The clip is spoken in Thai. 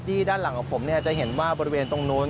ด้านหลังของผมจะเห็นว่าบริเวณตรงนู้น